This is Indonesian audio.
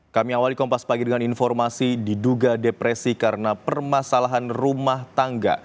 kami awali kompas pagi dengan informasi diduga depresi karena permasalahan rumah tangga